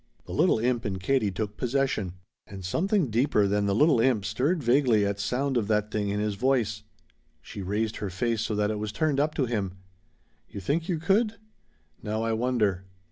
The little imp in Katie took possession. And something deeper than the little imp stirred vaguely at sound of that thing in his voice. She raised her face so that it was turned up to him. "You think you could? Now I wonder."